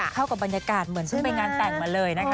เข้ากับบรรยากาศเหมือนเพิ่งไปงานแต่งมาเลยนะคะ